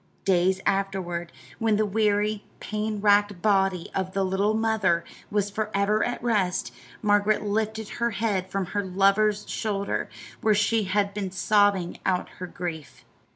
Days afterward, when the weary, pain racked body of the little mother was forever at rest, Margaret lifted her head from her lover's shoulder, where she had been sobbing out her grief.